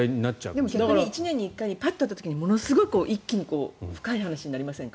でも１年に１回パッと会った時にものすごく一気に深い話になりませんか？